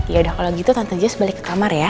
yaudah kalau gitu tante jis balik ke kamar ya